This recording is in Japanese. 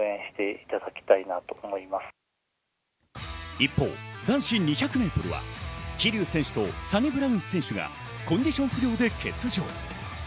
一方、男子２００ｍは桐生選手とサニブラウン選手がコンディション不良で欠場。